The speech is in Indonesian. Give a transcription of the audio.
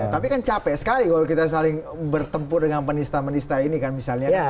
tapi kan capek sekali kalau kita saling bertempur dengan penista penista ini kan misalnya